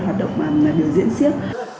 hoạt động biểu diễn siếc